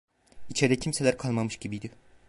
İçeride kimseler kalmamış gibiydi.